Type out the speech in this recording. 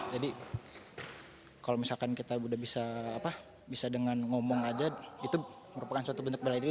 jadi kalau kita bisa dengan ngomong saja itu merupakan suatu bentuk beladiri